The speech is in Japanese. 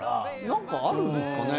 何かあるんですかね？